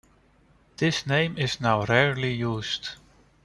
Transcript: This name is now rarely used.